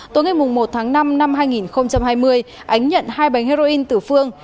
tối ngày một tháng năm năm hai nghìn hai mươi ánh nhận hai bánh heroin từ phương